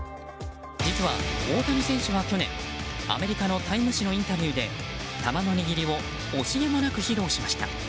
実は大谷選手は去年、アメリカの「タイム」誌のインタビューで球の握りを惜しげもなく披露しました。